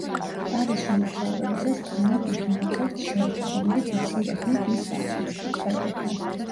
პარიზში მოგზაურობისას კანაბიხი მოცარტს შეხვდა, რომელიც მცირე ხნით მის სახლშიც კი ცხოვრობდა.